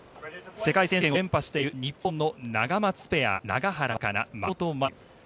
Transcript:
世界選手権を連覇している日本のナガマツペア永原和可那、松本麻佑。